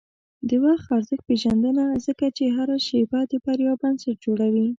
د وخت ارزښت پېژنه، ځکه چې هره شېبه د بریا بنسټ جوړوي.